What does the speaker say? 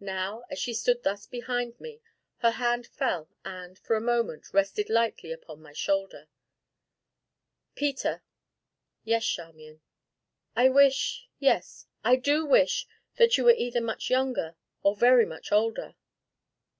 Now, as she stood thus behind me, her hand fell and, for a moment, rested lightly upon my shoulder. "Peter." "Yes, Charmian." "I wish, yes, I do wish that you were either much younger or very much older."